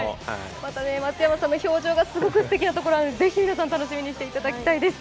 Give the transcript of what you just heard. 松山さんの表情がすごくすてきなところがあるので、ぜひ皆さん、楽しみにしていただきたいです。